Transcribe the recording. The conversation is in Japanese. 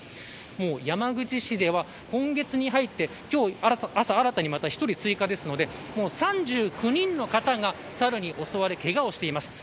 もう、山口市では今月に入ってけさ新たに１人追加なので３９人の方がサルに襲われけがをしています。